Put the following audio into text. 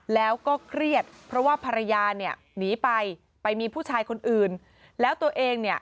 แล้วก็เครียดเพราะว่าภรรยาเนี่ยหนีไปไปมีผู้ชายคนอื่นแล้วตัวเองเนี่ย